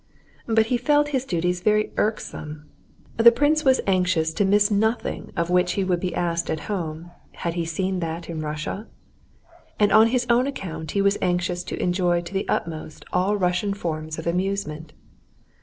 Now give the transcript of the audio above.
But he felt his duties very irksome. The prince was anxious to miss nothing of which he would be asked at home, had he seen that in Russia? And on his own account he was anxious to enjoy to the utmost all Russian forms of amusement.